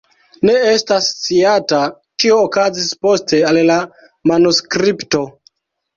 Ne estas sciata kio okazis poste al la manuskripto.